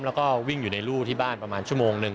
แล้วก็วิ่งอยู่ในรูที่บ้านประมาณชั่วโมงหนึ่ง